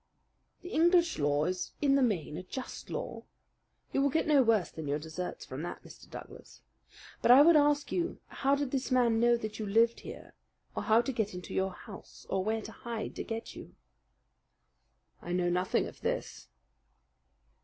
"The English law is in the main a just law. You will get no worse than your deserts from that, Mr. Douglas. But I would ask you how did this man know that you lived here, or how to get into your house, or where to hide to get you?" "I know nothing of this."